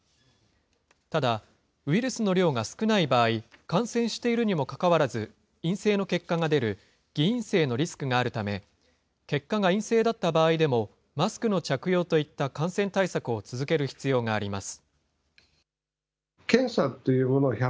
ただ、ウイルスの量が少ない場合、感染しているにもかかわらず、陰性の結果が出る、偽陰性のリスクがあるため、結果が陰性だった場合でも、マスクの着用といった感染対策を続ける必要があります。